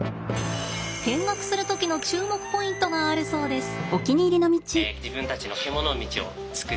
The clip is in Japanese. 見学する時の注目ポイントがあるそうです。